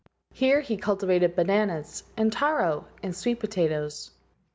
Here he cultivated bananas* and tarof and sweet potatoes.